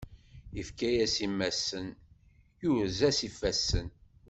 Ifka-yas imassen, yurez-as ifassen.